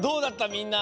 みんな。